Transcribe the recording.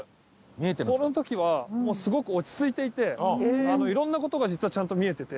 この時はもうすごく落ち着いていていろんな事が実はちゃんと見えてて。